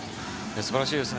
素晴らしいですね。